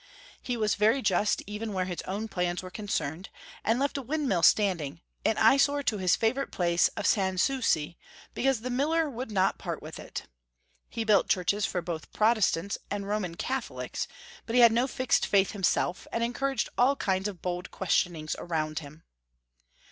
He was very just even where his own plans were concerned, and left a windmill standing, an eye sore to his favorite palace of Sans Souci, because the miller would not part with it. He built churches for both Protestants and Roman Catholics, but he had no fixed faith liimself, and encouraged all kinds of bold questionings around him.